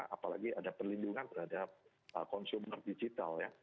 apalagi ada perlindungan terhadap konsumer digital ya